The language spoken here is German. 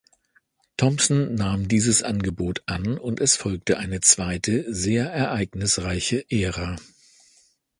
Thompson nahm dieses Angebot an und es folgte eine zweite, sehr ereignisreiche Ära.